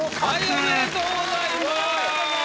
ありがとうございます。